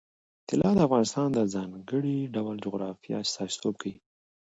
طلا د افغانستان د ځانګړي ډول جغرافیه استازیتوب کوي.